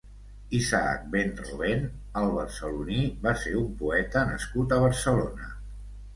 Isaac ben Rovèn, el Barceloní va ser un poeta nascut a Barcelona.